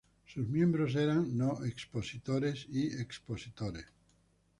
Sus miembros eran no expositores y expositores.